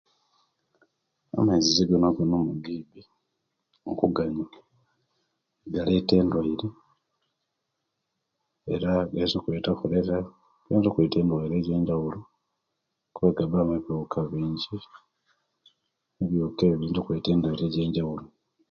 Amaizi gona gonna amabibi galeta endwaire era kolera gayinza okuleta endwaire jenjauwlo kuba gaba mu ebibuka bingi ebibuka ebiyo biyinza okuleta ebiruaire byenjaulo